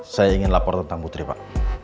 saya ingin lapor tentang putri pak